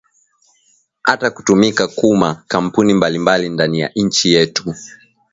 Ata kutumika kuma kampuni mbalimbali ndani ya inchi yetu